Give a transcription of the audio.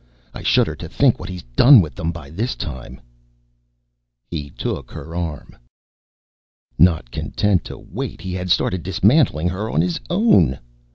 I shudder to think what he's done with them, by this time. ... he took her arm. Not content to wait, he had to start dismantling her on his own.